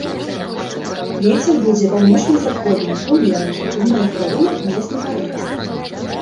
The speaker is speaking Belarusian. Вецер будзе паўночна-заходні ўмераны, у многіх раёнах моцны парывісты.